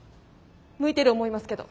向いてる思いますけど。